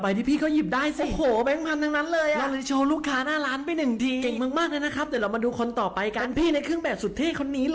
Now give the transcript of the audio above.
นี่นะครับเขาได้แบงค์๕๐๐แบงค์๑๐๐แล้วก็แบงค์๒๐ไปเลยนะครับทุกคน